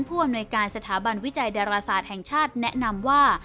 ผู้อำนวยการสถาบันวิจัยดาราศาสตร์แห่งชาติแนะนำว่า